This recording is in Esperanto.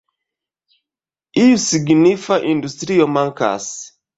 Iu signifa industrio mankas.